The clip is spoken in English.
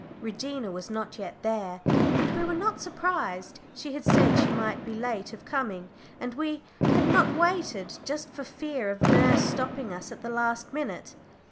Regina was not yet there, but we were not surprised: she had said she might be late of coming, and we had not waited, just for fear of nurse stopping us at the last minute.